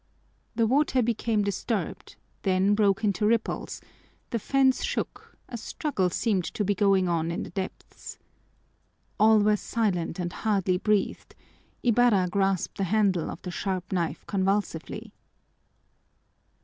The water became disturbed, then broke into ripples, the fence shook; a struggle seemed to be going on in the depths. All were silent and hardly breathed. Ibarra grasped the handle of the sharp knife convulsively.